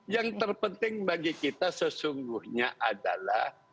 yang terpenting bagi kita sesungguhnya adalah